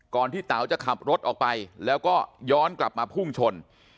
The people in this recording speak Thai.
ที่เต๋าจะขับรถออกไปแล้วก็ย้อนกลับมาพุ่งชน